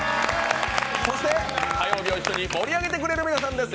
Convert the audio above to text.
そして、火曜日を一緒に盛り上げてくれる皆さんです。